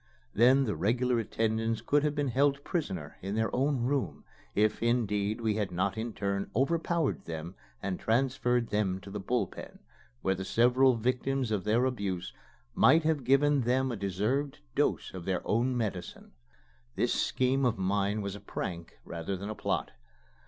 Then the regular attendants could have been held prisoners in their own room, if, indeed, we had not in turn overpowered them and transferred them to the Bull Pen, where the several victims of their abuse might have given them a deserved dose of their own medicine. This scheme of mine was a prank rather than a plot.